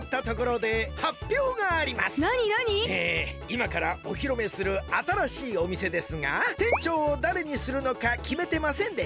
いまからおひろめするあたらしいおみせですが店長をだれにするのかきめてませんでした。